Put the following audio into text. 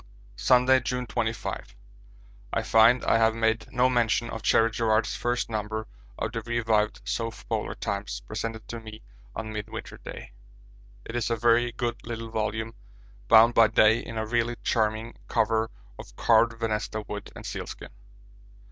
Sunday, June 25. I find I have made no mention of Cherry Garrard's first number of the revived South Polar Times, presented to me on Midwinter Day. It is a very good little volume, bound by Day in a really charming cover of carved venesta wood and sealskin.